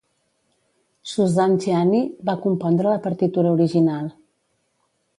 Suzanne Ciani va compondre la partitura original.